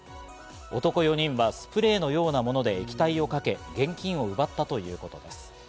男４人はスプレーのようなもので液体をかけ、現金を奪ったということです。